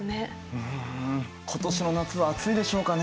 うん今年の夏は暑いでしょうかね？